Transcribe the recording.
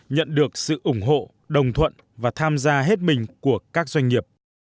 nhận được sự ủng hộ đồng thuận và tham gia hết mình của các doanh nghiệp